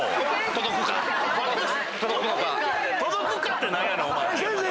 届くかって何やねん⁉先生